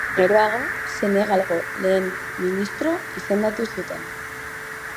Bi urte geroago Senegalgo lehen ministro izendatu zuten.